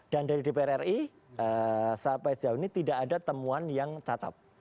dan dari dpr ri sampai sejauh ini tidak ada temuan yang cacat